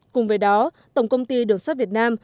cùng với đó tổng công ty đường sắt việt nam